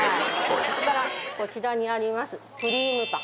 こちらにありますクリームパン。